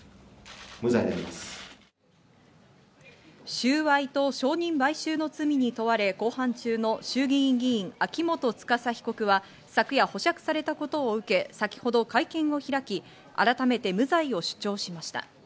収賄と証人買収の罪に問われ公判中の衆議院議員・秋元司被告は、昨夜、保釈されたことを受け、先ほど会見を開き、改めて無罪を主張しました。